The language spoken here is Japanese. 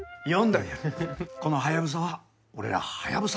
このハヤブサは俺らハヤブサ